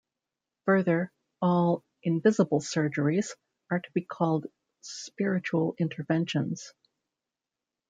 Further, all "invisible surgeries" are to be called "Spiritual Interventions".